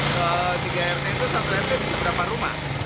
kalau tiga rt itu satu rt bisa berapa rumah